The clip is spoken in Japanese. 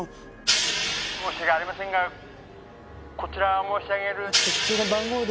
「申し訳ありませんがこちらが申し上げる直通の番号で」